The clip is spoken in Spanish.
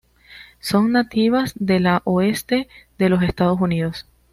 Son nativas de la oeste de los Estados Unidos.